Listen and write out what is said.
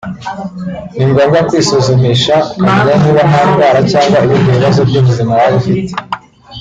ni ngombwa kwisuzumisha ukamenya niba nta ndwara cyangwa ibindi bibazo by’ubuzima waba ufite